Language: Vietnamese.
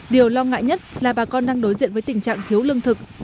điều lo ngại nhất là bà con đang đối diện với tình trạng thiếu lương thực